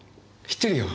知ってるよ。